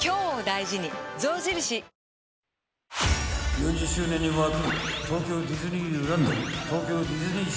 ［４０周年に沸く］